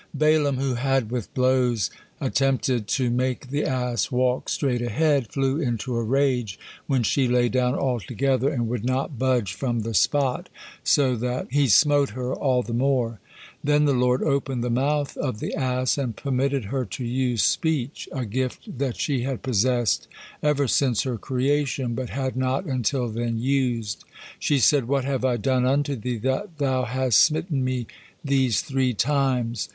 Balaam, who had with blows attempted to make the ass walk straight ahead, flew into a rage when she lay down altogether and would not budge from the spot, so that he smote her all the more. Then the Lord opened the mouth of the ass, and permitted her to use speech, a gift that she had possessed ever since her creation, but had not until then used. She said, "What have I done unto thee, that thou has smitten me these three times?"